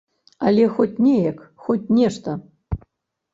Але хоць неяк, хоць нешта.